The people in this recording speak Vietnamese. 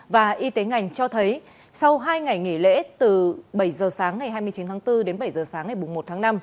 và y tế ngành cho thấy sau hai ngày nghỉ lễ từ bảy h sáng ngày hai mươi chín tháng bốn đến bảy h sáng ngày bốn mươi một tháng năm